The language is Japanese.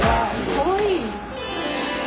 かわいい。